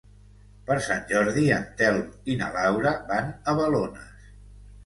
Per Sant Jordi en Telm i na Laura van a Balones.